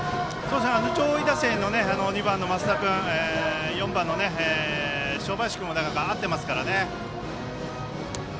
上位打線の２番の増田君４番の正林君などは合ってますからね。